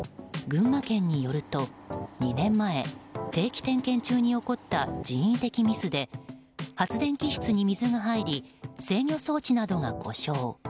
群馬県によると２年前、定期点検中に起こった人為的ミスで発電機室に水が入り制御装置などが故障。